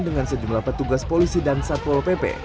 dengan sejumlah petugas polisi dan satpol pp